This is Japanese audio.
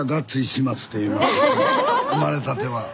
生まれたては。